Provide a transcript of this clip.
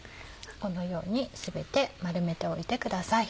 このように全て丸めておいてください。